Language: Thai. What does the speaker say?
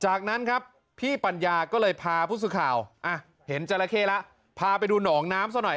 จากนั้นครับพี่ปัญญาก็เลยพาผู้สื่อข่าวเห็นจราเข้แล้วพาไปดูหนองน้ำซะหน่อย